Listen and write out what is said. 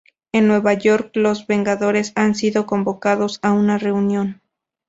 En Nueva York, los Vengadores han sido convocados a una reunión.